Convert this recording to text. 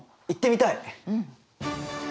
行ってみたい！